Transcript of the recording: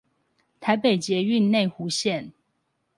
台北捷運內湖線